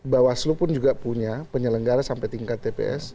bawaslu pun juga punya penyelenggara sampai tingkat tps